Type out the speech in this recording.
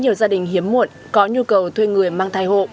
nhiều gia đình hiếm muộn có nhu cầu thuê người mang thai hộ